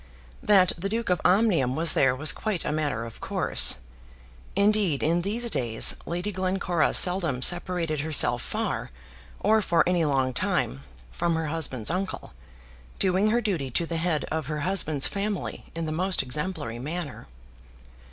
That the Duke of Omnium was there was quite a matter of course. Indeed, in these days Lady Glencora seldom separated herself far, or for any long time, from her husband's uncle, doing her duty to the head of her husband's family in the most exemplary manner.